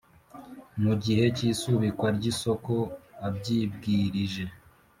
Mu gihe cy isubikwa ry isoko abyibwirije